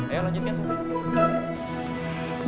ayo lanjut kan